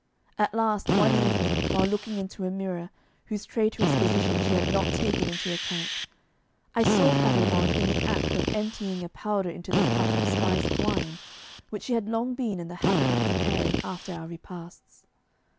At last one evening, while looking into a mirror whose traitorous position she had not taken into account, I saw Clarimonde in the act of emptying a powder into the cup of spiced wine which she had long been in the habit of preparing after our repasts.